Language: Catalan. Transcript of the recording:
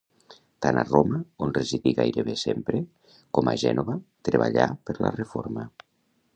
Tant a Roma, on residí gairebé sempre, com a Gènova, treballà per la Reforma.